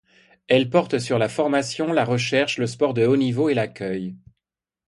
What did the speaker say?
Elles portent sur la formation, la recherche, le sport de haut niveau et l’accueil.